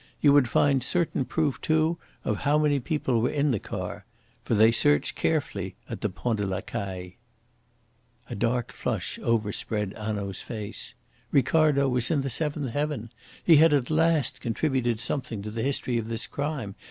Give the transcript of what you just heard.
You would find certain proof too of how many people were in the car. For they search carefully at the Pont de la Caille." A dark flush overspread Hanaud's face. Ricardo was in the seventh Heaven. He had at last contributed something to the history of this crime.